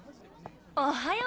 おはよう。